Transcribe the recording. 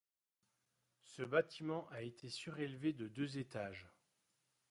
Ce bâtiment a été surélevé de deux étages.